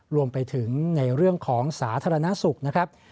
รวมไปถึงในเรื่องของสาธารณสุขนะครับ